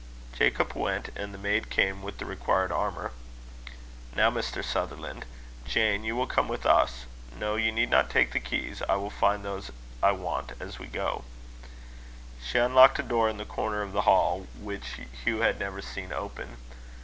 Jacob went; and the maid came with the required armour. "Now, Mr. Sutherland. Jane, you will come with us. No, you need not take the keys. I will find those I want as we go." She unlocked a door in the corner of the hall, which Hugh had never seen open.